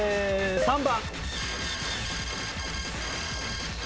３番。